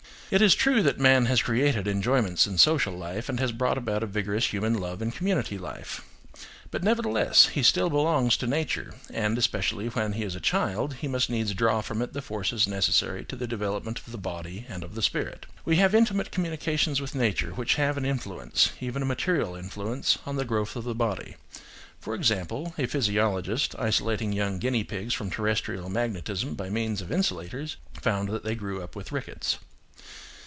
It is true that man has created enjoyments in social life and has brought about a vigorous human love in community life. But nevertheless he still belongs to nature, and, especially when he is a child, he must needs draw from it the forces necessary to the development of the body and of the spirit. We have intimate communications with nature which have an influence, even a material influence, on the growth of the body. (For example, a physiologist, isolating young guinea pigs from terrestrial magnetism by means of insulators, found that they grew up with rickets.)